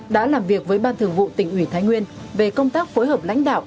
đã làm việc với ban thường vụ tỉnh ủy thái nguyên về công tác phối hợp lãnh đạo